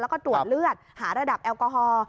แล้วก็ตรวจเลือดหาระดับแอลกอฮอล์